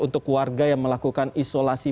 untuk warga yang melakukan isolasi